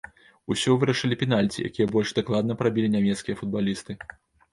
Усё вырашылі пенальці, якія больш дакладна прабілі нямецкія футбалісты.